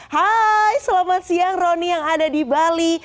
hai selamat siang roni yang ada di bali